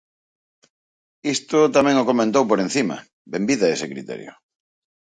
Isto tamén o comentou por encima, benvida a ese criterio.